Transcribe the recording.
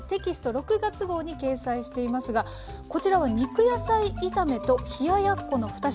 ６月号に掲載していますがこちらは肉野菜炒めと冷ややっこの２品